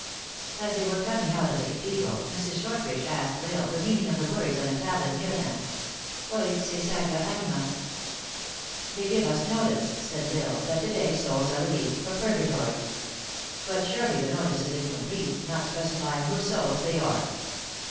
As they were coming out of the cathedral, Mrs. Shortridge asked L Isle the meaning of the words on a tablet near them :" Oy se sacca animas." " They give us notice," said L Isle, " that to day souls are released from Purgatory. But surely the notice is incomplete, not specifying whose souls they are.